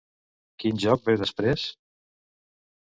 Quin joc ve després?